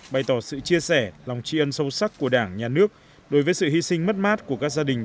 bày tỏ sự chia sẻ lòng tri ân sâu sắc của đảng nhà nước đối với sự hy sinh mất mát của các gia đình